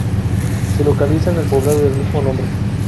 Se localiza en el poblado del mismo nombre.